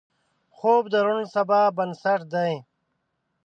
خوب د روڼ سبا بنسټ دی